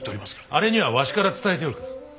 あれにはわしから伝えておく。